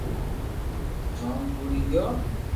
گوم ڀري گيو